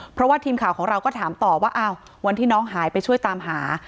เพราะว่าทีมข่าวของเราก็ถามต่อว่าอ้าววันที่น้องหายไปช่วยตามหา